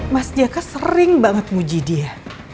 mas jaka sering banget muji dia